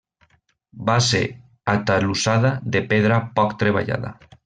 Base atalussada de pedra poc treballada.